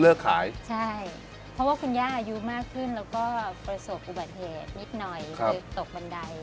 ขายใช่เพราะว่าคุณย่าอายุมากขึ้นแล้วก็ประสบอุบัติเหตุนิดหน่อยคือตกบันได